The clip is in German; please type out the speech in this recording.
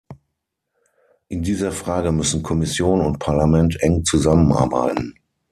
In dieser Frage müssen Kommission und Parlament eng zusammenarbeiten.